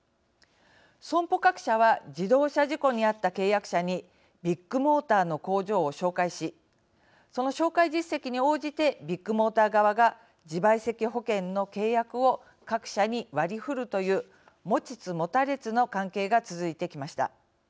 損保各社は自動車事故にあった契約者にビッグモーターの工場を紹介しその紹介実績に応じてビッグモーター側が自賠責保険の契約を各社に割り振るという持ちつ持たれつの関係が続いてきました。